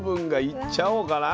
いっちゃおうかな。